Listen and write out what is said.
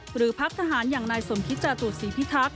หรือพักทหารอย่างนายสมคิตจาตุศรีพิทักษ